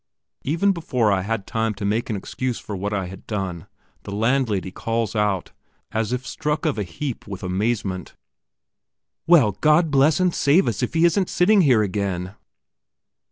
Even before I had time to make an excuse for what I had done, the landlady calls out, as if struck of a heap with amazement: "Well, God bless and save us, if he isn't sitting here again!"